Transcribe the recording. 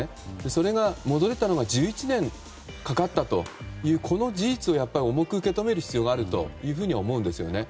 それが戻れたのが１１年かかったとこの事実を、重く受け止める必要があると思うんですね。